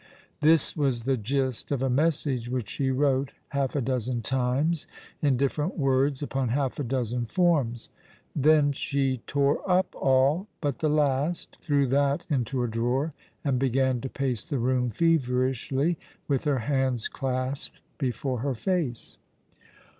This was the gist of a message which she wrote half a dozen times, in different words, upon half a dozen forms. Then she tore up all but the last, threw that into a drawer, and began to pace the room feyerishly, with her hands clasped before her face.